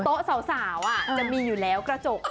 โต๊ะสาวจะมีอยู่แล้วกระจก